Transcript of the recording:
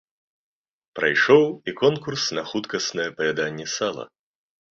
Прайшоў і конкурс на хуткаснае паяданне сала.